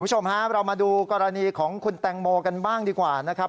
คุณผู้ชมครับเรามาดูกรณีของคุณแตงโมกันบ้างดีกว่านะครับ